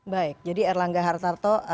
baik jadi erlangga hartarto